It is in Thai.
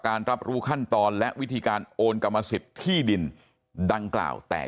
รับรู้ขั้นตอนและวิธีการโอนกรรมสิทธิ์ที่ดินดังกล่าวแต่